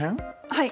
はい。